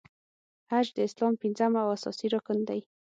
حج د اسلام پنځم او اساسې رکن دی .